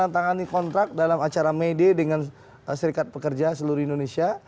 pak prabowo berani mencari kontrak dalam acara mede dengan serikat pekerja seluruh indonesia